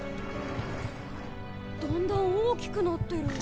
だんだん大きくなってる。